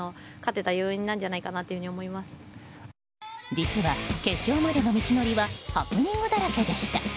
実は決勝までの道のりはハプニングだらけでした。